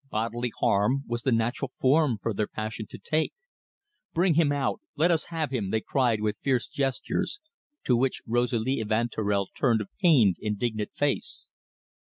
Bodily harm was the natural form for their passion to take. "Bring him out let us have him!" they cried with fierce gestures, to which Rosalie Evanturel turned a pained, indignant face.